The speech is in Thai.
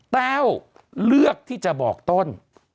แต้วเลือกที่จะบอกต้น